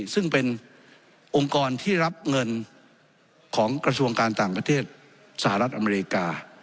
ซึ่งเป็นองค์กรที่รับเงินของกระทรวงการต่างประเทศสหรัฐอเมริกา